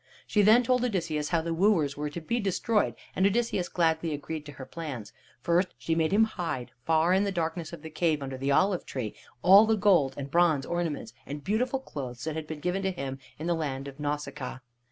She then told Odysseus how the wooers were to be destroyed, and Odysseus gladly agreed to her plans. First she made him hide far in the darkness of the cave, under the olive tree, all the gold and bronze ornaments and beautiful clothes that had been given to him in the land of Nausicaa.